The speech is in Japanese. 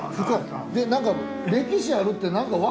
で何か歴史あるって何か分かるよな。